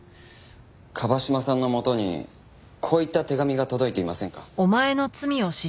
椛島さんのもとにこういった手紙が届いていませんか？